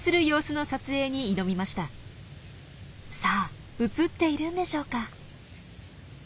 さあ映っているんでしょうか？